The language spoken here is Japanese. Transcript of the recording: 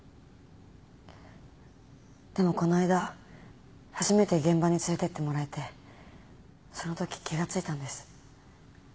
でもこの間初めて現場に連れてってもらえてそのとき気が付いたんです。